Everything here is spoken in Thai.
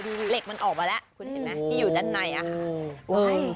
เหล็กมันออกมาแล้วคุณเห็นไหมที่อยู่ด้านในอะค่ะ